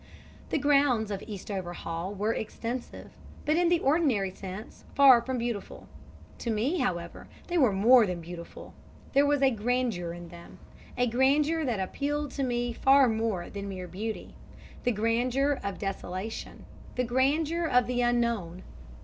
The grounds of Eastover Hall were extensive; but, in the ordinary sense, far from beautiful. To me, however, they were more than beautiful; there was a grandeur in them a grandeur that appealed to me far more than mere beauty the grandeur of desolation, the grandeur of the Unknown.